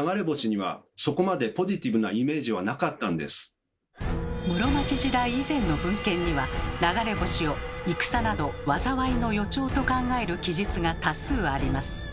でも室町時代以前の文献には流れ星を「戦など災いの予兆」と考える記述が多数あります。